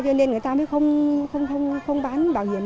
cho nên người ta mới không bán bảo hiểm